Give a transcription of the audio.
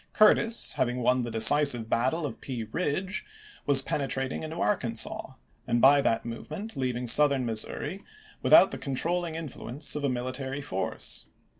Curtis, having won the decisive battle of Pea Ridge, was penetrating into Arkansas, and by that move ment leaving Southern Missouri without the con trolling influence of a military force.